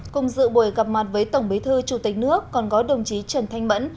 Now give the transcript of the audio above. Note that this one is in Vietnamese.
cùng dự buổi gặp mặt với tổng bí thư chủ tịch nước còn có đồng chí trần thanh mẫn